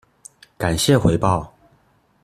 感謝回報